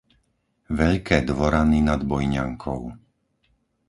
Veľké Dvorany nad Bojňankou